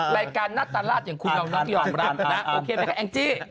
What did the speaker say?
รายการนัตรราชอย่างคุณยอมรับนะโอเคไหมคะแองจี้